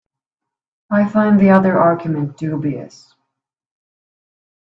I find the other argument dubious.